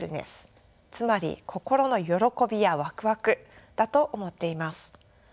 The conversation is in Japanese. つまり心の歓びやワクワクだと思っています。